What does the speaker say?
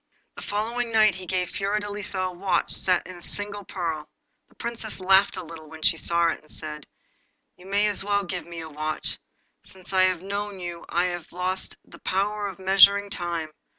The following night he gave Fiordelisa a watch set in a single pearl. The Princess laughed a little when she saw it, and said 'You may well give me a watch, for since I have known you I have lost the power of measuring time.